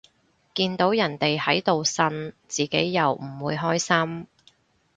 見到人哋喺度呻，自己又唔會開心